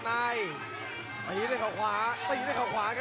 แชลเบียนชาวเล็ก